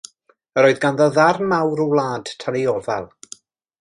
Yr oedd ganddo ddarn mawr o wlad tan ei ofal.